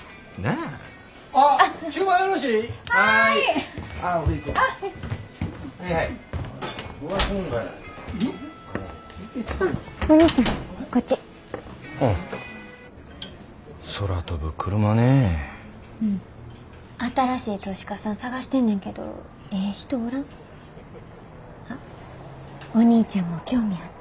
あお兄ちゃんも興味あったら。